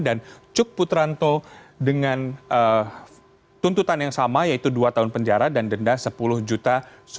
dan cuk putranto dengan tuntutan yang sama yaitu dua tahun penjara dan denda sepuluh juta